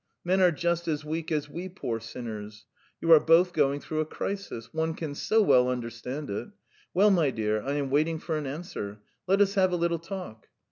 Men are just as weak as we poor sinners. You are both going through a crisis. ... One can so well understand it! Well, my dear, I am waiting for an answer. Let us have a little talk."